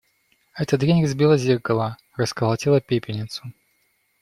Эта дрянь разбила зеркало, расколотила пепельницу.